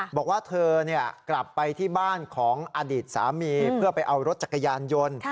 บอกว่าเธอกลับไปที่บ้านของอดีตสามีเพื่อไปเอารถจักรยานยนต์